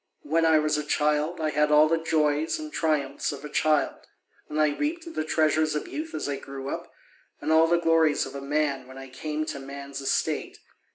When I was a child, I had all the joys and triumphs of a child, and I reaped the treasures of youth as I grew up, and all the glories of a man when I came to man'e estate.